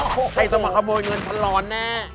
พวกใครจะมาขโมยเงินฉันร้อนแน่